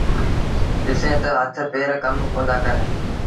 ڏسيٚݩ تآ هٿ پير ڪم ڪوندآ ڪريݩ۔